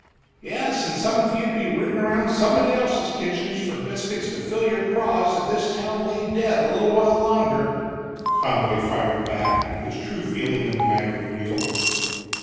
"Yes, and some of you'd be rootin' around somebody else's kitchen for biscuits to fill your craws if this town laid dead a little while longer," Conboy fired back, his true feeling in the matter revealed.